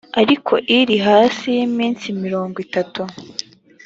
ariko iri hasi y’iminsi mirongo itatu